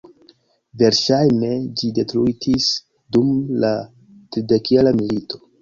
Verŝajne ĝi detruitis dum la Tridekjara milito.